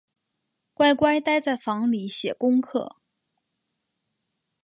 乖乖待在房里写功课